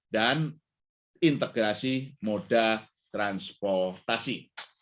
dan integrasi moda transportasi